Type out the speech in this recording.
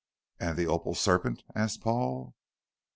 "And the opal serpent?" asked Paul.